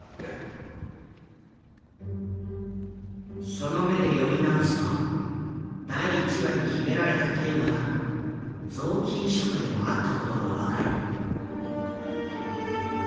その目で読み直すと第１話に秘められたテーマは臓器移植でもあったことが分かる。